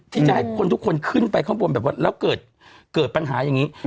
ที่จะให้คนทุกคนขึ้นไปข้างบนแบบว่าแล้วเกิดปัญหาอย่างนี้